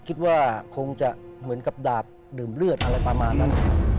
คิดว่าคงจะเหมือนกับดาบดื่มเลือดอะไรประมาณนั้น